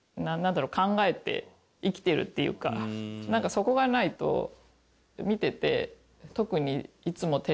そこがないと見てて。